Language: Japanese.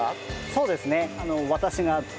そうですね。